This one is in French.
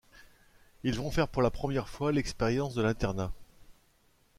Ils vont faire pour la première fois l'expérience de l'internat.